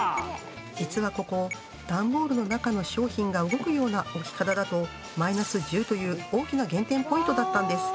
実は、ここ段ボールの中の商品が動くような置き方だとマイナス１０という大きな減点ポイントだったんです。